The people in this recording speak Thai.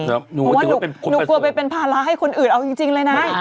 เพราะว่าหนูกลัวไปเป็นภาระให้คนอื่นเอาจริงเลยนะ